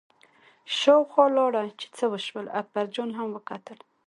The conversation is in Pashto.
شاوخوا لاړه چې څه وشول، اکبرجان هم وکتل.